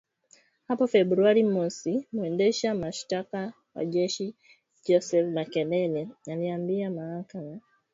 hapo Februari mosi mwendesha mashtaka wa kijeshi Joseph Makelele aliiambia mahakama